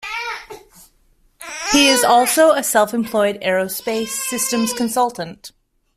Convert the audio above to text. He is also a self-employed aerospace systems consultant.